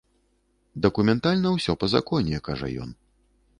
Дакументальна ўсё па законе, кажа ён.